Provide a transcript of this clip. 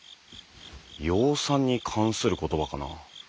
養蚕に関する言葉かな？